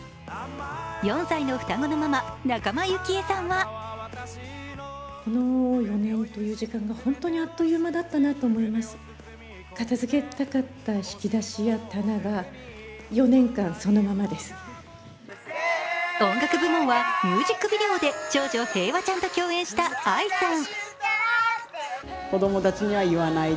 ４歳の双子のママ仲間由紀恵さんは音楽部門はミュージックビデオで長女・平和ちゃんと共演したＡＩさん。